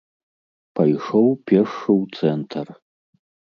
Пайшоў пешшу ў цэнтр.